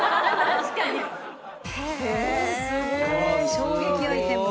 衝撃アイテム。